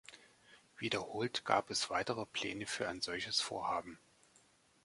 Wiederholt gab es weitere Pläne für ein solches Vorhaben.